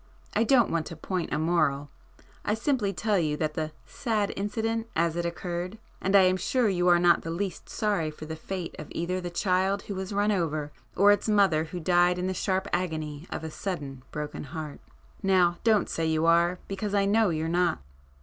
I don't want to point a moral,—I simply tell you the 'sad incident' as it occurred,—and I am sure you are not the least sorry for the fate of either the child who was run over, or its mother who died in the sharp agony of a suddenly broken heart. Now don't say you are, because I know you're not!"